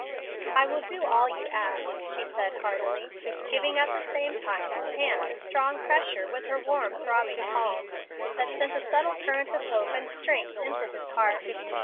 "I will do all you ask," she said, heartily, giving at the same time his hand a strong pressure with her warm, throbbing palm, that sent a subtle current of hope and strength into his heart.